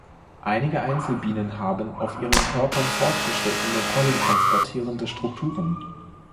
Einige Einzelbienenhaben auf ihren Körpern fortgeschrittene, pollentransportierende Strukturen.